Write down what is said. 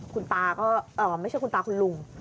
คุณตาก็ไม่ใช่คุณตาคุณลุง